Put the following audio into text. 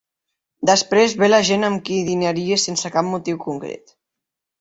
Després ve la gent amb qui dinaria sense cap motiu concret.